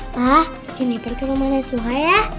pak jenekar ke rumah nek suha ya